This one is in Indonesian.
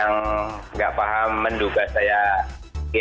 yang nggak paham menduga saya